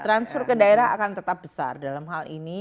transfer ke daerah akan tetap besar dalam hal ini